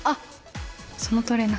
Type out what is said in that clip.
そのトレーナー？